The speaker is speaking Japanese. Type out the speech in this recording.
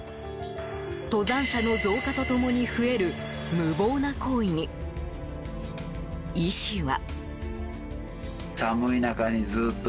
登山者の増加と共に増える無謀な行為に、医師は。